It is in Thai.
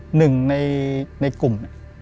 หนึ่งในกลุ่ม